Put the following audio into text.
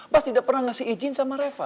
pas tidak pernah ngasih izin sama reva